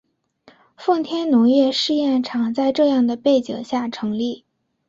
奉天农业试验场在这样的背景下成立。